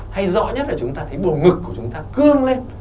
hay rõ nhất là chúng ta thấy bồ ngực của chúng ta cương lên